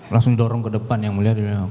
langsung dorong ke depan yang mulia